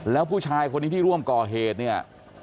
แล้วผู้ชายคนนี้ที่ร่วมก่อเหตุเนี่ย